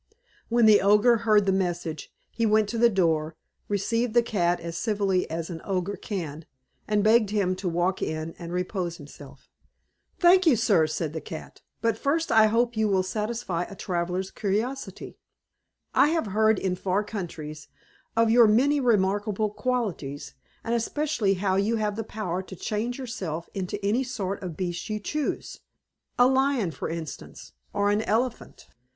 When the Ogre heard this message, he went to the door, received the cat as civilly as an Ogre can, and begged him to walk in and repose himself. "Thank you, sir," said the cat; "but first I hope you will satisfy a traveller's curiosity. I have heard in far countries of your many remarkable qualities, and especially how you have the power to change yourself into any sort of beast you choose a lion for instance, or an elephant."